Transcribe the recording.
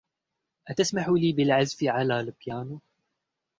أتسمح لي بالعزف على البيانو ؟